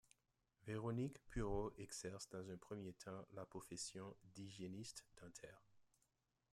Véronique Pürro exerce dans un premier temps la profession d’hygiéniste dentaire.